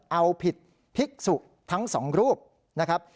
เอาผิดภิกษุทั้งสองรูปนะครับ